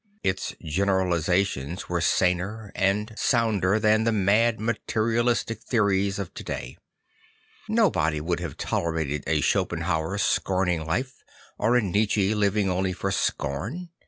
Its generalisations were saner and sounder than the mad ma terialistic theories of to day; nobody would have tolerated a Schopenhauer scorning life or a Nietzsche living only for scorn.